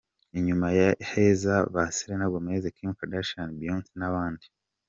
Inyuma ye haza ba Selena Gomez, Kim Kardashian, Beyonce n’abandi.